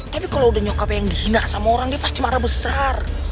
tapi kalau udah nyokap yang dihina sama orang dia pasti marah besar